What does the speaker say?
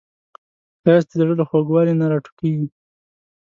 ښایست د زړه له خوږوالي نه راټوکېږي